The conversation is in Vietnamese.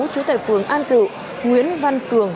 chú tại phường an cự nguyễn văn cường